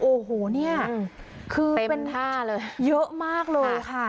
โอ้โหเนี่ยคือเต็มท่าเลยเยอะมากเลยค่ะ